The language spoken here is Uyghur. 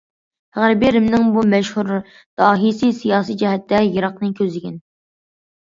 غەربىي رىمنىڭ بۇ مەشھۇر داھىيسى سىياسىي جەھەتتە يىراقنى كۆزلىگەن.